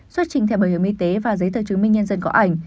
xuất trình thẻ bảo hiểm y tế và giấy tờ chứng minh nhân dân có ảnh